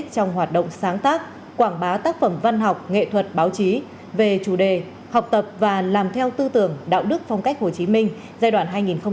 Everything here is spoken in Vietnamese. trong hoạt động sáng tác quảng bá tác phẩm văn học nghệ thuật báo chí về chủ đề học tập và làm theo tư tưởng đạo đức phong cách hồ chí minh giai đoạn hai nghìn một mươi tám hai nghìn hai mươi